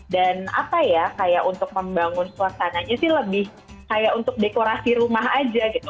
dan apa ya kayak untuk membangun suasananya sih lebih kayak untuk dekorasi rumah aja gitu